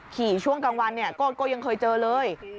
ขี่ช่วงกลางวันก็ยังเคยเจอเลย